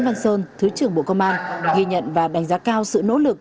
ghi nhận và đánh giá cao sự nỗ lực